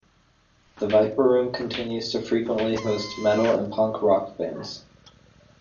The Viper Room continues to frequently host metal and punk rock bands.